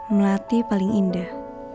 melati paling indah